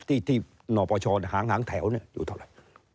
ที่ที่นปชหางแถวเนี่ยอยู่เท่าไร